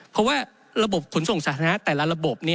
เพราะว่าระบบขนส่งสาธารณะแต่ละระบบ